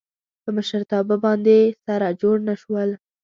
په مشرتابه باندې سره جوړ نه شول.